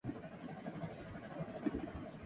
صحافی لکھاری محمد حنیف کے لیے ستارہ امتیاز کا اعزاز